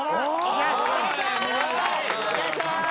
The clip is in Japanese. お願いします！